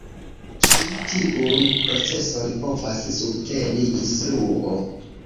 Ĉi tiun proceson povas subteni instruo.